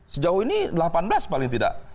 sejauh ini delapan belas paling tidak